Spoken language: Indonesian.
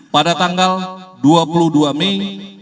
pada tanggal dua puluh dua mei dua ribu dua puluh empat